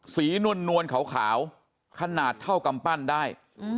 นวลขาวขนาดเท่ากำปั้นได้